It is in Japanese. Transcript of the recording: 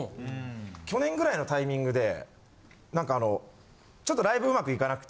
去年ぐらいのタイミングでなんかあのちょっとライブ上手くいかなくて。